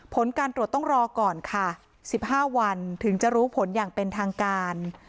ผลการตรวจต้องรอก่อนค่ะ๑๕วันถึงจะรู้ผลอย่างเป็นทางการ